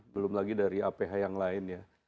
belum lagi dari aph yang lain ya